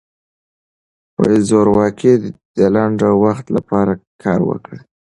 زورواکي د لنډ وخت لپاره کار ورکوي.